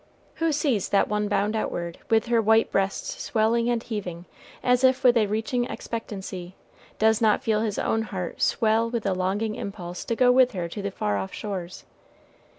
Who that sees one bound outward, with her white breasts swelling and heaving, as if with a reaching expectancy, does not feel his own heart swell with a longing impulse to go with her to the far off shores?